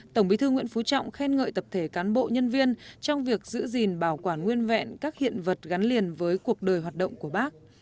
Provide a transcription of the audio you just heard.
tổng bí thư nguyễn phú trọng khen ngợi tập thể cán bộ nhân viên trong việc giữ gìn bảo quản nguyên vẹn các hiện vật gắn liền với cuộc đời hoạt động của bác